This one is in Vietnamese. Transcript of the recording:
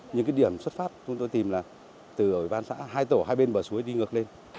những cái điểm xuất phát chúng tôi tìm là từ ủy ban xã hai tổ hai bên bờ suối đi ngược lên